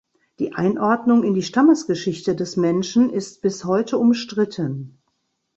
Die Einordnung in die Stammesgeschichte des Menschen ist bis heute umstritten.